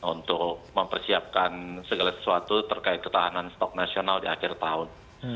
untuk mempersiapkan segala sesuatu terkait ketahanan stok nasional di akhir tahun